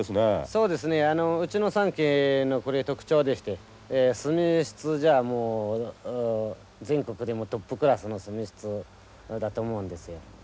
そうですねうちの三色の特徴でして墨質じゃもう全国でもトップクラスの墨質だと思うんですよ。